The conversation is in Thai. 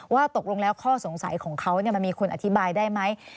ว่าตกลงแล้วข้อสงสัยของเขามันมีคนอธิบายได้ไหม